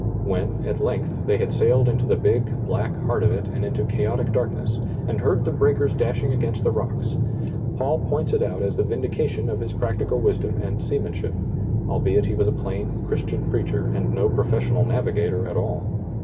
When, at length, they had sailed into the big, black heart of it and into chaotic darkness, and heard the breakers dashing against the rocks, Paul points it out as the vindi cation of his practical wisdom and seamanship, albeit he was a plain Christian preacher and no professional navigator at all.